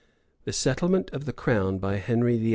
The settlement of the crown by Henry VIII.